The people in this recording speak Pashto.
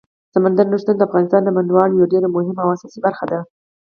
سمندر نه شتون د افغانستان د بڼوالۍ یوه ډېره مهمه او اساسي برخه ده.